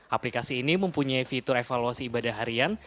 aplikasi ini mempunyai fitur evaluasi ibadah harian